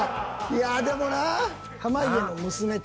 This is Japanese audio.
いやでもなぁ。